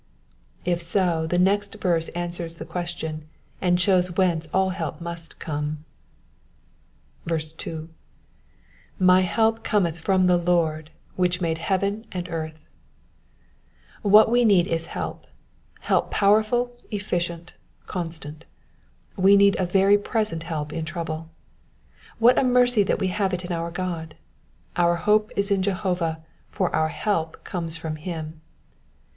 '' If so, the next verse answers the question, and shows whence all help must come. 2. ify help cometh from the Lord, which made heaven and earthy What we need is help,— help powerful, efficient, constant : we need a very present help in trouble. What a mercy that we have it in our God. Our hope is in Jehovah, for our help comes from him.